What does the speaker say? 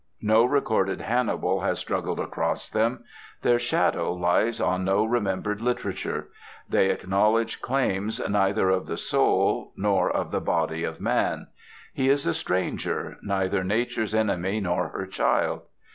No recorded Hannibal has struggled across them; their shadow lies on no remembered literature. They acknowledge claims neither of the soul nor of the body of man. He is a stranger, neither Nature's enemy nor her child.